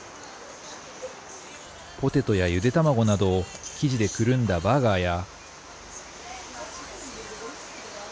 ポテトやゆで卵などを生地でくるんだバーガーや。